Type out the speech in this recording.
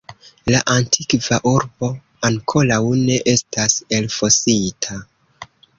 La antikva urbo ankoraŭ ne estas elfosita.